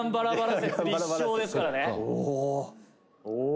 「おお」